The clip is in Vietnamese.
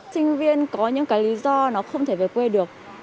sinh viên có những cái lý do nó không thể về quê được